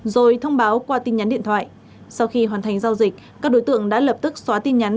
rồi thông báo qua tin nhắn điện thoại sau khi hoàn thành giao dịch các đối tượng đã lập tức xóa tin nhắn